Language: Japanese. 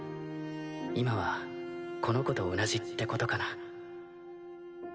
今はこの子と同じってことかな。